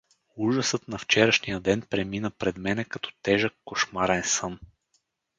Ужасът на вчерашния ден премина пред мене като тежък кошмарен сън.